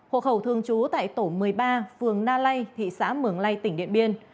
hộ khẩu thường trú tại tổ một mươi ba phường na lây thị xã mường lây tỉnh điện biên